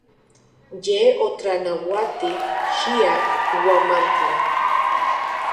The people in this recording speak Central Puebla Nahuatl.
Ye otlanauati xia Huamantla.